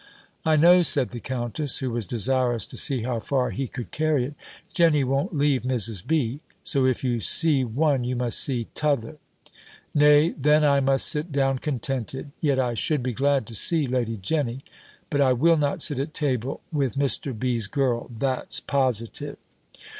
"I know," said the countess, (who was desirous to see how far he could carry it), "Jenny won't leave Mrs. B.; so if you see one, you must see t'other." "Nay, then I must sit down contented. Yet I should be glad to see Lady Jenny. But I will not sit at table with Mr. B.'s girl that's positive."